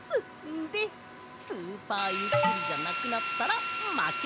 でスーパーゆっくりじゃなくなったらまけ！